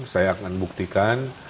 saya akan buktikan